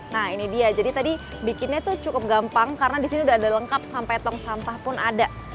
nah ini dia jadi tadi bikinnya tuh cukup gampang karena disini udah ada lengkap sampai tong sampah pun ada